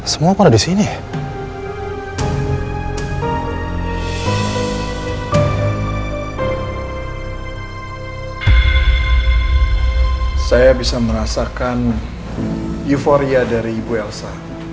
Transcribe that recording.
saya bisa merasakan euforia dari ibu elsa